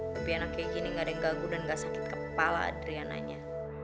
lebih enak kayak gini gak ada yang ganggu dan gak sakit kepala adriananya